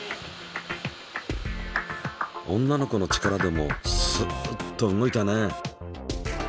女の子の力でもスッと動いたね。